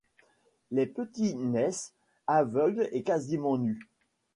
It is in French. Les petits naissent aveugles et quasiment nus.